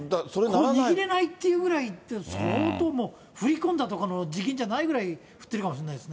握れないっていうぐらいって、相当もう、振り込んだところの次元じゃないぐらい、振ってるかもしれないですね。